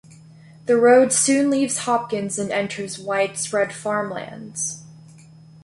The road soon leaves Hopkins and enters widespread farmlands.